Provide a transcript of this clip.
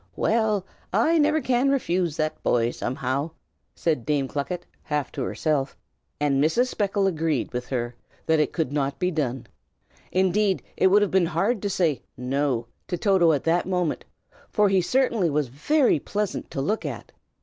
"Well, I never can refuse that boy, somehow!" said Dame Clucket, half to herself; and Mrs. Speckle agreed with her that it could not be done. Indeed, it would have been hard to say "No!" to Toto at that moment, for he certainly was very pleasant to look at.